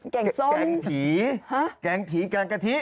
แกงส้มแกงถีแกงถีแกงกะทิ